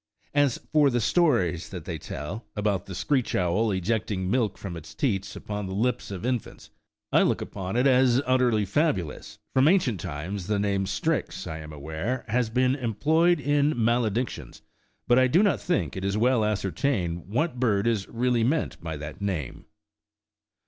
As for the stories that they tell, about the screech owl ejecting milk from its teats upon the lips of infants, I look upon it as utterly fabulous : from ancient times the name " strix,"20 1 am aware, has been employed in maledictions, but I do not think it is well ascertained what bird is really meant by that name.